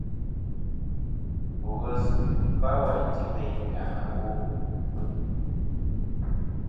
Ba ghes ba wêyn ti meyn nyàʼ awo ifeli.